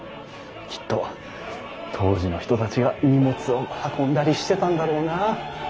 きっと当時の人たちが荷物を運んだりしてたんだろうなあ。